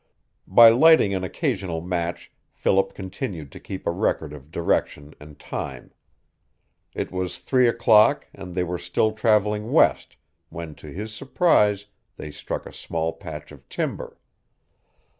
By lighting an occasional match Philip continued to keep a record of direction and time. It was three o'clock, and they were still traveling west, when to his surprise they struck a small patch of timber.